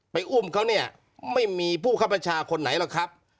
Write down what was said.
อุ้มเขาเนี่ยไม่มีผู้คับประชาคนไหนหรอกครับ